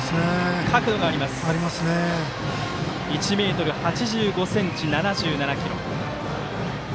１ｍ８５ｃｍ、７７ｋｇ。